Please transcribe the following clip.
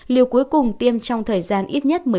liều cuối cùng tiêm trong thời gian ít nhất